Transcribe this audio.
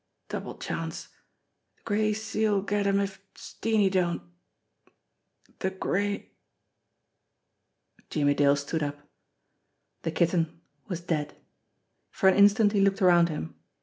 Double chance de Gray Seal'll get 'em if Steenie don't de Gray " Jimmie Dale stood up. The Kitten was dead. For an in stant he looked around him.